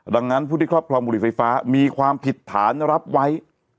ดังนั้นผู้ที่ครอบครองบุหรี่ไฟฟ้ามีความผิดฐานรับไว้